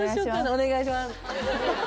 お願いします